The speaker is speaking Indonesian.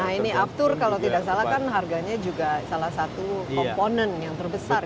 nah ini aftur kalau tidak salah kan harganya juga salah satu komponen yang terbesar ya